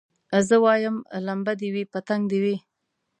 زه وايم لمبه دي وي پتنګ دي وي